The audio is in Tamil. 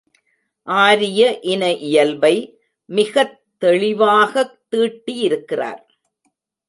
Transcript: ஆரிய இன இயல்பை, மிகத் தெளிவாகத் தீட்டியிருக்கிறார்!